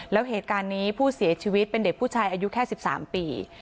แล้วเหตุการณ์นี้ผู้เสียชีวิตเป็นเด็กผู้ชายอายุแค่๑๓ปี